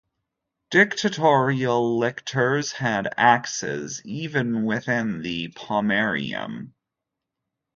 Dictatorial lictors had axes even within the "pomerium".